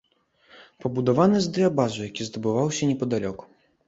Пабудаваны з дыябазу, які здабываўся непадалёк.